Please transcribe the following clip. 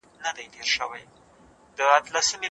شريعت د دوی د اصلاح لپاره کومه طريقه ايښي ده؟